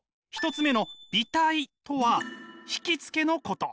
１つ目の媚態とは惹きつけのこと。